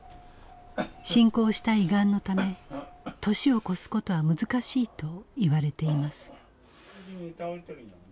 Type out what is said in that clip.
進行した胃がんのため年を越すことは難しいといわれています。